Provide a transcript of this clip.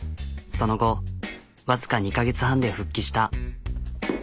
その後わずか２カ月半で復帰した。